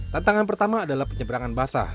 tantangan pertama adalah penyeberangan basah